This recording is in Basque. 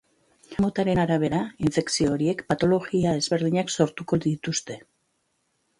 Onddo motaren arabera, infekzio horiek patologia ezberdinak sortuko dituzte.